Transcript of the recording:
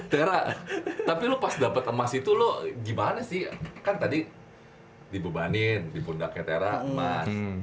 tera tapi lu pas dapet emas itu lo gimana sih kan tadi dibebanin di pundaknya tera emas